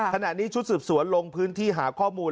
ขณะนี้ชุดสืบสวนลงพื้นที่หาข้อมูล